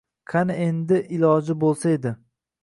Qani endi iloji bo’lsa edi.